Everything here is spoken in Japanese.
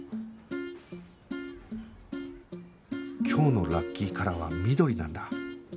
今日のラッキーカラーは緑なんだ